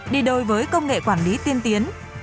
đối với công nghệ quản lý tiên tiến